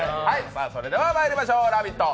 それではまいりましょう、「ラヴィット！」